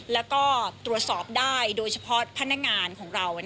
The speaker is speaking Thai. แล้วก็ตรวจสอบได้โดยเฉพาะพนักงานของเรา